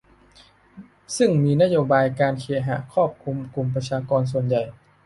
ซึ่งมีนโยบายการเคหะครอบคลุมกลุ่มประชากรส่วนใหญ่